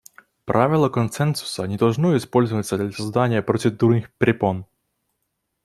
Правило консенсуса не должно использоваться для создания процедурных препон.